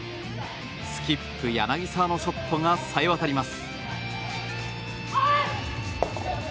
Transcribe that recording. スキップ、柳澤のショットがさえ渡ります。